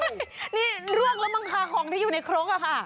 นี่ร่วงละมังคาห่องที่อยู่ในโครงล่ะค่ะ